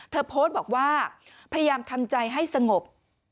โพสต์บอกว่าพยายามทำใจให้สงบ